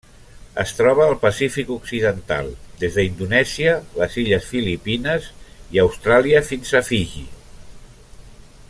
Es troba al Pacífic occidental: des d'Indonèsia, les illes Filipines i Austràlia fins a Fiji.